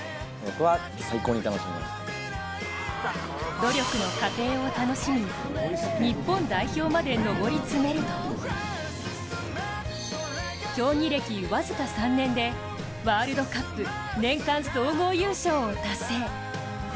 努力の過程を楽しみ日本代表まで上り詰めると競技歴僅か３年でワールドカップ年間総合優勝を達成。